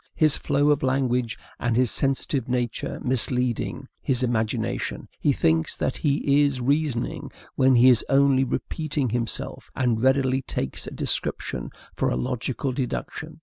His flow of language, and his sensitive nature misleading his imagination, he thinks that he is reasoning when he is only repeating himself, and readily takes a description for a logical deduction.